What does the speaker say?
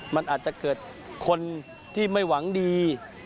มันอาจจะเกิดคนที่ไม่หวังดี